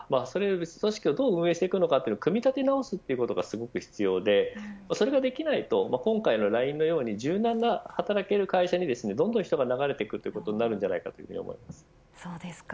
組織をどう運営していくのか組み立て直すことが必要でそれができないと今回のＬＩＮＥのように柔軟に働ける会社にどんどん人が流れていくことになると思います。